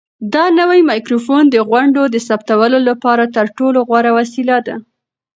دا نوی مایکروفون د غونډو د ثبتولو لپاره تر ټولو غوره وسیله ده.